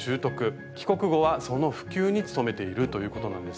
帰国後はその普及に努めているということなんですが。